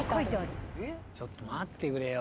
ちょっと待ってくれよ。